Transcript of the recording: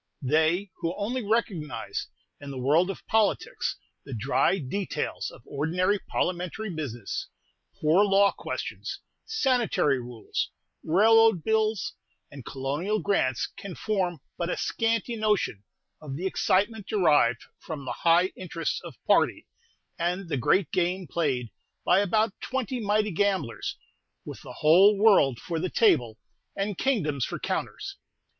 They who only recognize in the world of politics the dry details of ordinary parliamentary business, poor law questions, sanitary rules, railroad bills, and colonial grants can form but a scanty notion of the excitement derived from the high interests of party, and the great game played by about twenty mighty gamblers, with the whole world for the table, and kingdoms for counters.